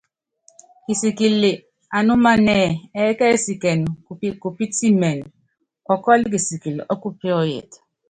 Kisikili anúmanɛ́ɛ, ɛɛ́ kɛsikɛnɛ kupítimɛn, ɔkɔ́lɔ kisikili ɔ́kupíɔ́yɛt.